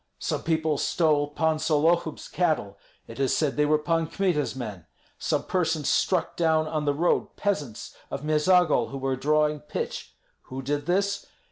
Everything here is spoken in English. Some people stole Pan Sollohub's cattle; it is said they were Pan Kmita's men. Some persons struck down on the road peasants of Meizagol who were drawing pitch. Who did this?